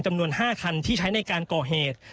จำนวน๕คันที่ใช้ในการก่อเหตุ